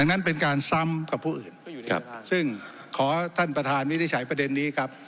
นั้นเป็นการซ้ำกับผู้อื่นครับซึ่งขอท่านประธานวินิจฉัยประเด็นนี้ครับ